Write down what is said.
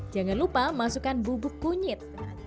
jangan lupa masukkan bubuk kunyit